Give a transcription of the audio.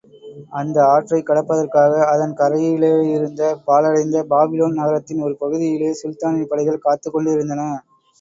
அந்த ஆற்றைக் கடப்பதற்காக அதன் கரையிலேயிருந்த பாழடைந்த பாபிலோன் நகரத்தின் ஒரு பகுதியிலே சுல்தானின் படைகள் காத்துக் கொண்டிருந்தன.